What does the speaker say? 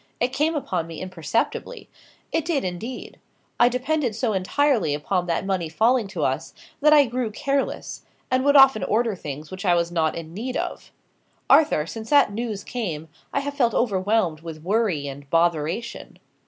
"It came upon me imperceptibly; it did, indeed. I depended so entirely upon that money falling to us, that I grew careless, and would often order things which I was not in need of. Arthur, since that news came, I have felt overwhelmed with worry and botheration."